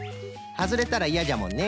はずれたらいやじゃもんね。